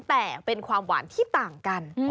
แต่เป็นความหวานที่ต่างกัน